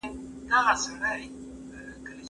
برابر چلند باور زیاتوي.